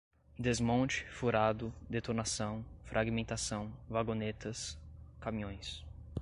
desmonte, furado, detonação, fragmentação, vagonetas, caminhões